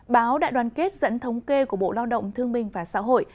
báo đại đoàn kết dẫn thống kê của bộ lao động thương minh và xã hội